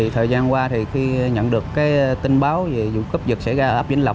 thời gian qua khi nhận được tin báo về dụng cấp dựt xảy ra ở ấp vĩnh lọc